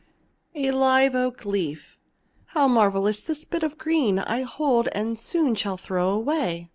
A LIVE OAK LEAF How marvellous this bit of green I hold, and soon shall throw away!